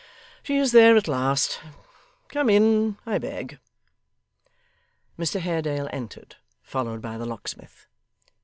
She is there at last! Come in, I beg!' Mr Haredale entered, followed by the locksmith.